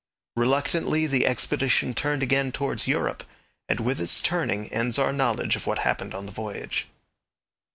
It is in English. Reluctantly the expedition turned again towards Europe, and with its turning ends our knowledge of what happened on the voyage.